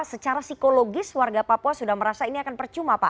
secara psikologis warga papua sudah merasa ini akan percuma pak